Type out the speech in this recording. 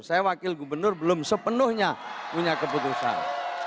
saya wakil gubernur belum sepenuhnya punya keputusan